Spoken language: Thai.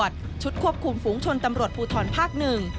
ชุดควบควบคุมฟูงชนตำรวจภูฮอนภากหนึ่ง